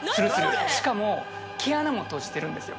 しかも毛穴も閉じてるんですよ。